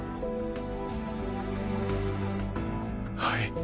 はい？